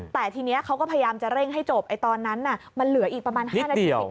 แต่ทีนี้เขาก็พยายามจะเร่งให้จบตอนนั้นมันเหลืออีกประมาณ๕นาที